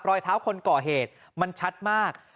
รอยเท้าคนก่อเหตุมันชัดมาก